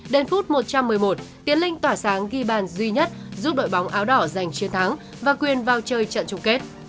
đến phút một trăm một mươi một tiến linh tỏa sáng ghi bàn duy nhất giúp đội bóng áo đỏ giành chiến thắng và quyền vào chơi trận chung kết